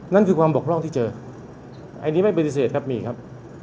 นั่นคือความบกพร่องที่เจออันนี้ไม่ปฏิเสธครับมีครับ